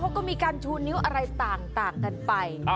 เขาก็มีการชูนิ้วอะไรต่างกันไป